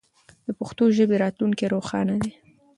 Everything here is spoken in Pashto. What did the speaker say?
د پښتو ژبې راتلونکی روښانه دی.